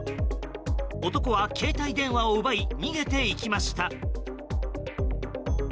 男は携帯電話を奪い逃げていきました。